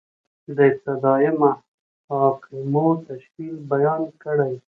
د ابتدائیه محاکمو تشکیل بیان کړئ؟